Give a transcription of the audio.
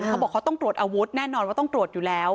เขาบอกเขาต้องตรวจอาวุธแน่นอนว่าต้องตรวจอยู่แล้ว